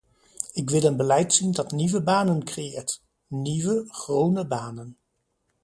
Ik wil een beleid zien dat nieuwe banen creëert - nieuwe, groene banen.